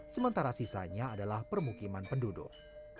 sementara sisanya adalah permukiman penduduk